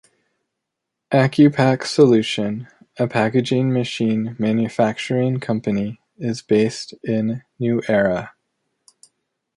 Acupack Solution, a packaging machine manufacturing company, is based in New Era.